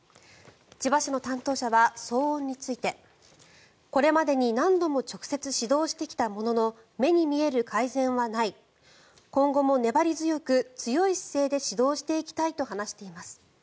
千葉市の担当者は騒音についてこれまでに何度も直接指導してきたものの目に見える改善はない今後も粘り強く強い姿勢で指導していきたいと話しています。